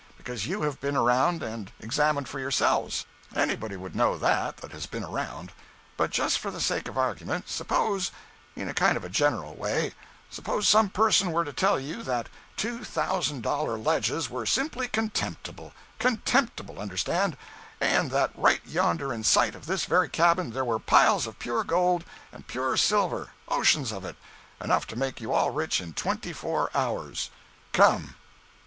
Because you have been around and examined for yourselves. Anybody would know that, that had been around. But just for the sake of argument, suppose—in a kind of general way—suppose some person were to tell you that two thousand dollar ledges were simply contemptible—contemptible, understand—and that right yonder in sight of this very cabin there were piles of pure gold and pure silver—oceans of it—enough to make you all rich in twenty four hours! Come!"